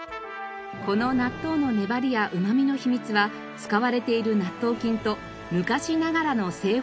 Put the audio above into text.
この納豆の粘りやうまみの秘密は使われている納豆菌と昔ながらの製法にありました。